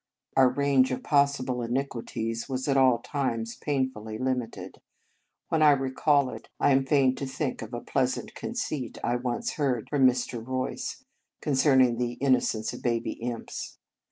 Our range of possible iniquities was at all times painfully limited. When I recall it, I am fain to think 73 In Our Convent Days of a pleasant conceit I once heard from Mr. Royce, concerning the in nocence of baby imps.